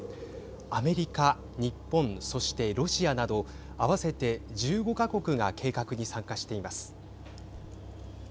アメリカ、日本そしてロシアなど合わせて１５か国が計画に参加しています。